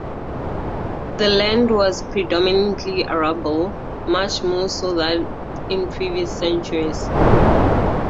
The land was predominantly arable, much more so than in previous centuries.